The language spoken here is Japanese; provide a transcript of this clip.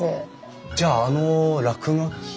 じゃああの落書きは？